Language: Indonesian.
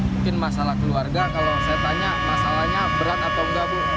mungkin masalah keluarga kalau saya tanya masalahnya berat atau enggak bu